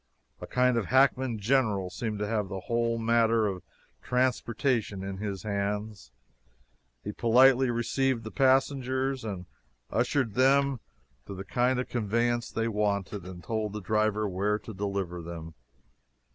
A kind of hackman general seemed to have the whole matter of transportation in his hands. He politely received the passengers and ushered them to the kind of conveyance they wanted, and told the driver where to deliver them.